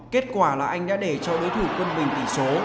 kết quả là anh đã để cho đối thủ quân bình tỷ số